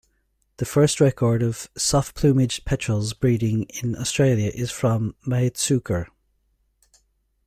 The first record of soft-plumaged petrels breeding in Australia is from Maatsuyker.